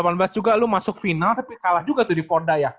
tapi dua ribu delapan belas juga lu masuk final tapi kalah juga tuh di porda ya